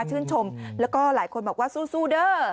ชื่นชมแล้วก็หลายคนบอกว่าสู้เด้อ